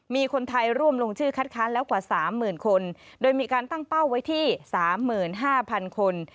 มีคนไทยร่วมลงชื่อคัดค้านแล้วกว่า๓๐๐๐คนโดยมีการตั้งเป้าไว้ที่๓๕๐๐๐คน